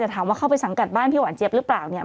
แต่ถามว่าเข้าไปสังกัดบ้านพี่หวานเจี๊ยหรือเปล่าเนี่ย